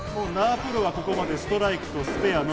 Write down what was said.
プロはここまでストライクとスペア。